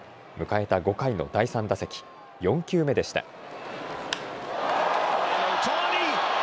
迎えた５回の第３打席、４球目でした。